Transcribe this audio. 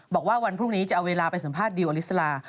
บอกว่าวันพรุ่งนี้จะเอาเวลาไปสัมภาษณ์ดิวอลิสลา